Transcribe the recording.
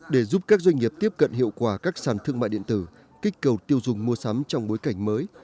để giúp các doanh nghiệp tiếp cận hiệu quả các sàn thương mại điện tử kích cầu tiêu dùng mua sắm trong bối cảnh mới